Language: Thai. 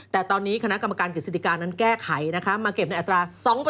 แต่ตอนนี้คณะกรรมการเกี่ยวกับศิษย์ศิษยาการนั้นแก้ไขนะคะมาเก็บในอัตรา๒